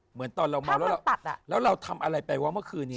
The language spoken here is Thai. เหมือนตอนเรามาแล้วเราทำอะไรไปวะเมื่อคืนนี้